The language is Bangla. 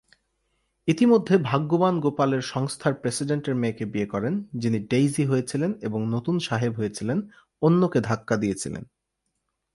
ইতিমধ্যে ভাগ্যবান গোপালের সংস্থার প্রেসিডেন্টের মেয়েকে বিয়ে করেন যিনি ডেইজি হয়েছিলেন এবং নতুন সাহেব হয়েছিলেন, অন্যকে ধাক্কা দিয়েছিলেন।